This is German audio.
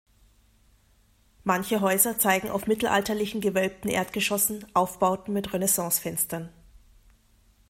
Manche Häuser zeigen auf mittelalterlichen, gewölbten Erdgeschossen Aufbauten mit Renaissance-Fenstern.